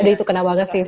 aduh itu kena banget sih